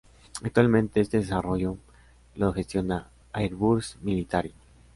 Actualmente este desarrollo lo gestiona Airbus Military.